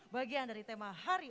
bagian dari tema hari